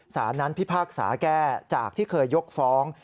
สารนั้นพิพากษาแก้จากที่เคยยกฟ้อง